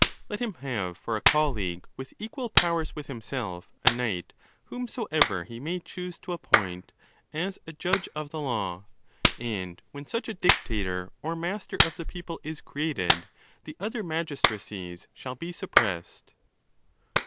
Let him have for a colleague, with equal powers with himself, a, knight whomsoever he may choose to appoint, as a judge of the law. And when such a dictator or master of the people is created the other magistracies shall be suppressed.